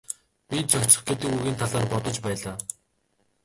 Би зохицох гэдэг үгийн талаар бодож байлаа.